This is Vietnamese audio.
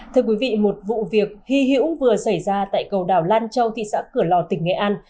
thưa quý vị một vụ việc hy hữu vừa xảy ra tại cầu đảo lan châu thị xã cửa lò tỉnh nghệ an